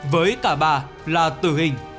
với cả ba là tử hình